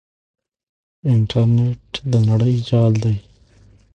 انټرنیټ د نړۍ جال دی.